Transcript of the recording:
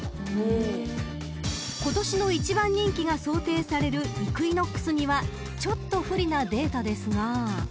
［今年の一番人気が想定されるイクイノックスにはちょっと不利なデータですが］